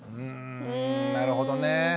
うんなるほどね。